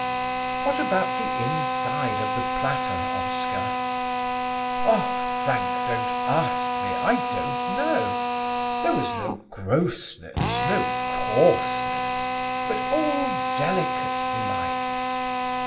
"What about the inside of the platter, Oscar?" "Ah, Frank, don't ask me, I don't know; there was no grossness, no coarseness; but all delicate delights!